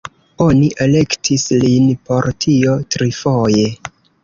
Oni elektis lin por tio trifoje.